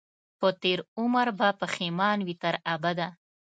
په تېر عمر به پښېمان وي تر ابده